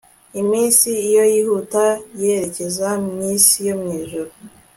iminsi iyo, yihuta yerekeza mwisi yo mwijuru